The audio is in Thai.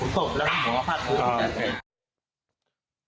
ต้มกระดาษหัวต่มหัวผาดพื้น